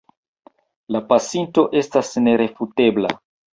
La pasinto estas nerefutebla.